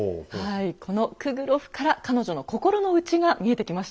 このクグロフから彼女の心の内が見えてきました。